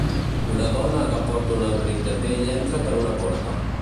Una dona que porta un abric de pell entra per una porta